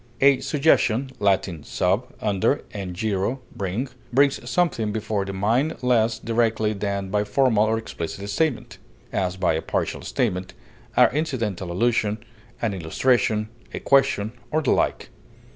A suggestion (L. sub, under, and gero, bring) brings something before the mind less directly than by formal or explicit statement, as by a partial statement, an incidental allusion, an illustration, a question, or the like.